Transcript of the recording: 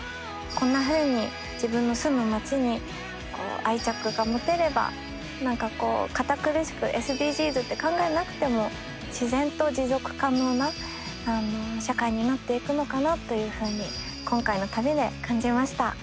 こんなふうに自分の住む町に愛着が持てれば何かこう堅苦しくＳＤＧｓって考えなくても自然と持続可能な社会になっていくのかなというふうに今回の旅で感じました。